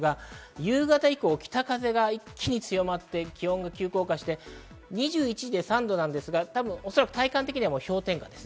夕方以降、北風が一気に強まって、気温が急降下して、２１時で３度ですが、おそらく体感的には氷点下です。